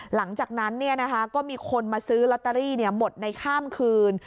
หลังจากนั้นก็มีคนมาซื้อลอตเตอรี่หมดในข้ามคืน